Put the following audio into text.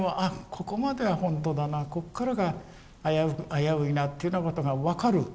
ここまでは本当だなここからが危ういなっていうようなことが分かる。